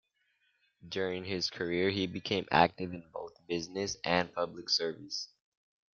During his career, he became active in both business and public service.